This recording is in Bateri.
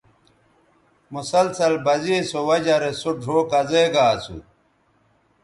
مسلسل بزے سو وجہ رے سو ڙھؤ کزے گا اسو